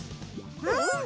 うん！